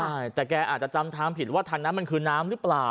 ใช่แต่แกอาจจะจำทางผิดว่าทางนั้นมันคือน้ำหรือเปล่า